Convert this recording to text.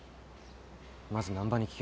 まず難破に聞け。